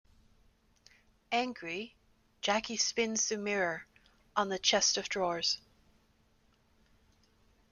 Angry, Jackie spins the mirror on the chest of drawers.